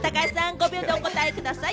５秒でお答えください。